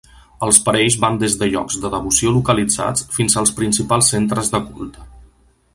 Els parells van des de llocs de devoció localitzats fins als principals centres de culte.